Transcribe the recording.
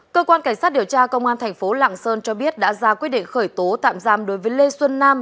cơ quan cảnh sát điều tra công an thành phố lạng sơn cho biết đã ra quyết định khởi tố tạm giam đối với lê xuân nam